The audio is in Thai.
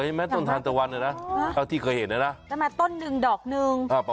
มีเท่าดอกโซ่ยจังเลย